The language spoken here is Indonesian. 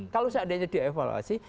kalau seandainya dievaluasi